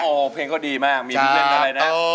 เฮ้มีเพลงก็ดีมากมีบินเล่นกันด้ายนะ